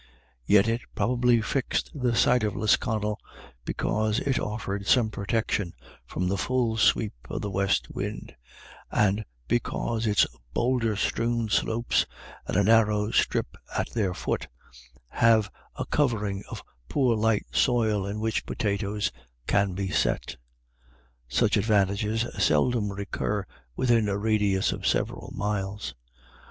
Yet it probably fixed the site of Lisconnel, because it offered some protection from the full sweep of the west wind, and because its boulder strewn slopes, and a narrow strip at their foot, have a covering of poor 6 IRISH IDYLLS. light soil in which potatoes can be set Such advantages seldom recur within a radius of several miles.